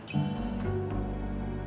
kamu sekarang udah nikah kan